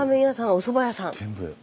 おそば屋さん。